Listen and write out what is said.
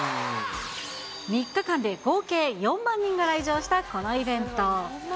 ３日間で合計４万人が来場したこのイベント。